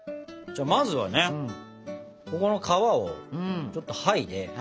まずはねここの皮をちょっと剥いで。